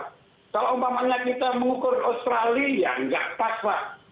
kalau umpamanya kita mengukur australia gak pas pak